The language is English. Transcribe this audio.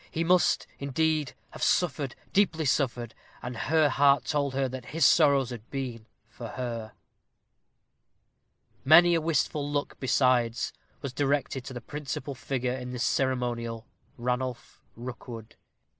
He must, indeed, have suffered deeply suffered; and her heart told her that his sorrows had been for her. Many a wistful look, besides, was directed to the principal figure in this ceremonial, Ranulph Rookwood.